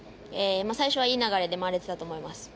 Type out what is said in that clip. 最初はいい流れで回れていたと思います。